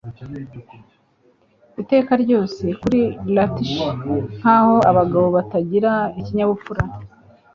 Iteka ryose kuri latch nkaho abagabo batagira ikinyabupfura